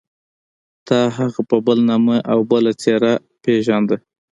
تا هغه په بل نامه او بله څېره پېژانده.